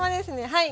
はい。